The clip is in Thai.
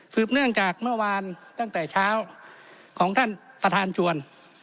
เนื่องจากเมื่อวานตั้งแต่เช้าของท่านประธานชวน